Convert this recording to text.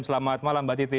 selamat malam mbak titi